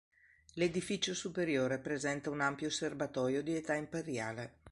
L'edificio superiore presenta un ampio serbatoio di età imperiale.